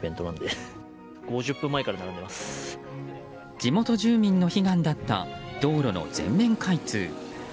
地元住民の悲願だった道路の全面開通。